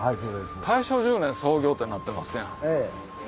「大正１０年創業」ってなってますやん。